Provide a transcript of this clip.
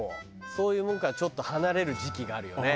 そういうものからちょっと離れる時期があるよね。